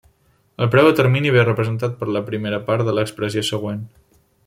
El preu a termini ve representat per la primera part de l'expressió següent.